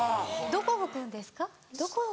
どこ拭くんですか？